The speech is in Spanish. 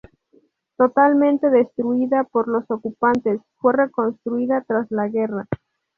Totalmente destruida por los ocupantes, fue reconstruida tras la guerra.